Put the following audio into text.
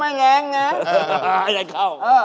จับข้าว